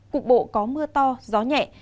cục bộ có mưa to gió nhẹ